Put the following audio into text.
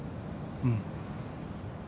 うん。